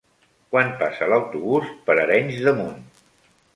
Quan passa l'autobús per Arenys de Munt?